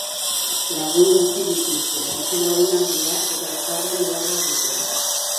Lagun gutxi dituzte, bizilagunak dira eta elkarren beharra dute.